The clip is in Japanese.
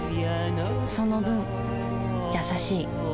その分優しい